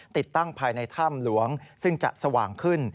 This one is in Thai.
ติดตั้งภายในถ้ำหลวงซึ่งจะสว่างขึ้น